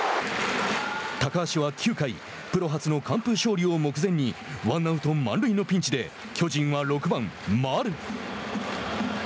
高橋は９回プロ初の完封勝利を目前にワンアウト、満塁のピンチで巨人は６番丸。